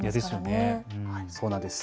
そうなんです。